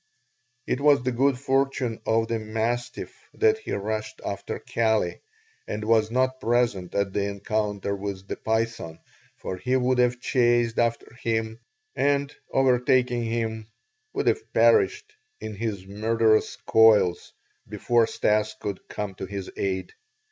It was the good fortune of the mastiff that he rushed after Kali, and was not present at the encounter with the python for he would have chased after him and, overtaking him, would have perished in his murderous coils before Stas could come to his aid.